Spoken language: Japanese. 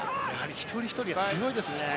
一人一人強いですね。